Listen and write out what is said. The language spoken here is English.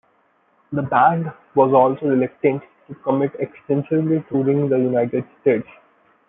The band was also reluctant to commit extensively touring the United States.